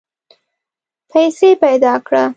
پیسې پیدا کړه.